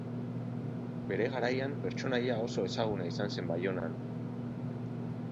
Bere garaian pertsonaia oso ezaguna izan zen Baionan.